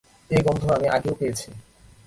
এ গন্ধ আমি আগেও পেয়েছি।